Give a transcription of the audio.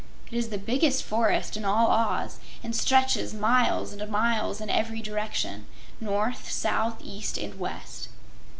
It is the biggest forest in all Oz and stretches miles and miles in every direction north, south, east and west.